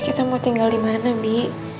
kita mau tinggal dimana bi